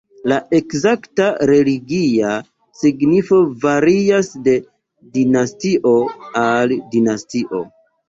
La ekzakta religia signifo varias de dinastio al dinastio.